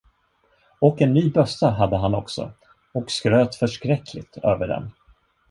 Och en ny bössa hade han också och skröt förskräckligt över den.